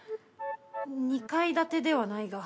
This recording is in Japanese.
２階建てではないが。